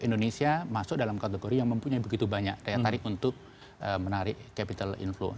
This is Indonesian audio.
indonesia masuk dalam kategori yang mempunyai begitu banyak daya tarik untuk menarik capital inflow